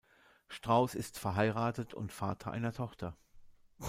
Strauß ist verheiratet und Vater einer Tochter.